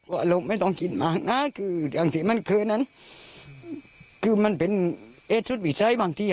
น่าว่าโมงนี่เนาะแรงกันตรง